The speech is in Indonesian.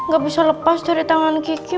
gak bisa lepas dari tangan kiki